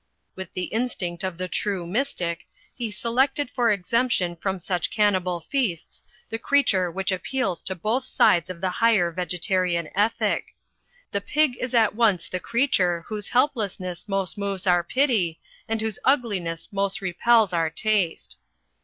With the instinct of the true mystic, he selected for exemption from such cannibal feasts the creature which appeals to both sides of the higher vegetarian ethic. The pig is at once the creature whose helplessness most moves our pity and whose ugliness most repels our taste.